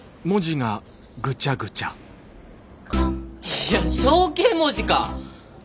いや象形文字か！